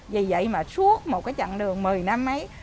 vì vậy mà suốt một cái chặng đường một mươi năm ấy